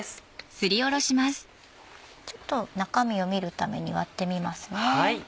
ちょっと中身を見るために割ってみますね。